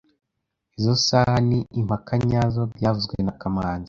Izoi saha ni impaka nyazo byavuzwe na kamanzi